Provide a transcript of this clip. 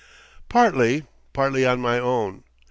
"Partly; partly on my own.